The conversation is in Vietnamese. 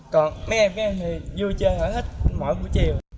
còn mấy em với em thì vui chơi hở thích